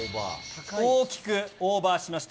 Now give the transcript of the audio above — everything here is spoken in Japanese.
大きくオーバーしました。